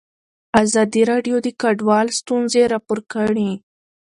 ازادي راډیو د کډوال ستونزې راپور کړي.